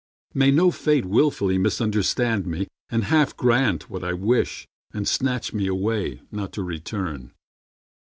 May no fate willfully misunderstand me And half grant what I wish and snatch me away Not to return.